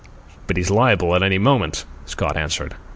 "But he's liable to any moment," Scott answered.